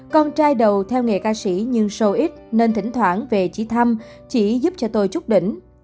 con trai đầu theo nghề ca sĩ nhưng sâu ít nên thỉnh thoảng về chỉ thăm chỉ giúp cho tôi chút đỉnh